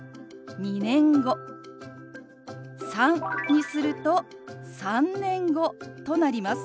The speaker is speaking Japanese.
「３」にすると「３年後」となります。